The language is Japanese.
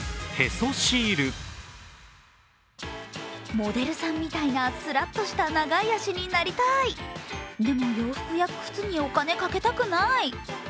モデルさんみたいなすらっとした長い足になりたい、でも洋服や靴にお金かけたくない。